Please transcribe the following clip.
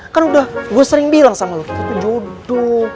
kan udah gua sering bilang sama lu